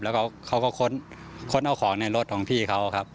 แล้วเขาก็ค้นเอาของในรถของพี่เขาครับ